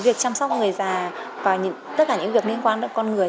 việc chăm sóc người già và tất cả những việc liên quan đến con người